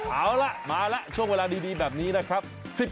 เอาล่ะมาแล้วช่วงเวลาดีแบบนี้นะครับ